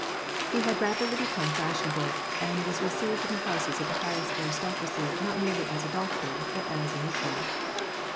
He had rapidly become fashion able, and was received in the houses of the highest aristocracy not merely as a doctor but as an equal.